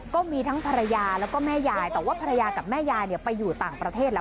ก็มีทั้งภรรยาแล้วก็แม่ยายแต่ว่าภรรยากับแม่ยายไปอยู่ต่างประเทศแล้ว